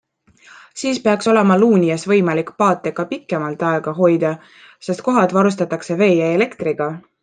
Siis peaks olema Luunjas võimalik paate ka pikemat aega hoida, sest kohad varustatakse vee ja elektriga.